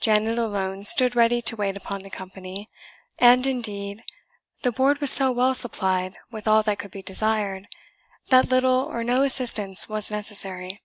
Janet alone stood ready to wait upon the company; and, indeed, the board was so well supplied with all that could be desired, that little or no assistance was necessary.